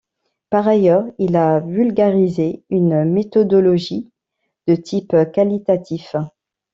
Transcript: Par ailleurs, il a vulgarisé une méthodologie de type qualitatif.